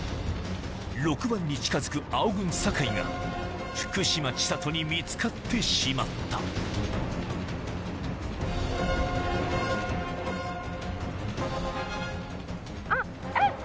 ６番に近づく青軍・酒井が福島千里に見つかってしまったあっ！